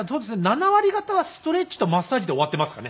７割方はストレッチとマッサージで終わっていますかね。